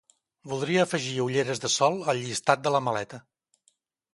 Voldria afegir ulleres de sol al llistat de la maleta.